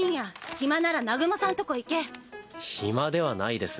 暇なら南雲さんとこ暇ではないです